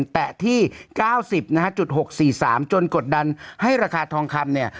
แตะที่๙๐นะฮะจุด๖๔๓จนกดดันให้ราคาทองคำเนี่ย